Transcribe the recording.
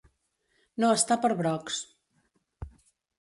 No estar per brocs.